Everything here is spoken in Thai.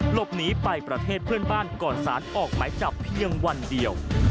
หลบหนีไปประเทศเพื่อนบ้านก่อนสารออกหมายจับเพียงวันเดียว